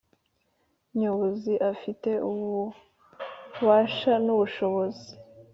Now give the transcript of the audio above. Nyobozi afite ububasha n ubushobozi